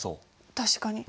確かに。